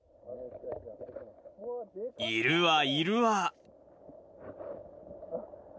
いるわ、いるわ。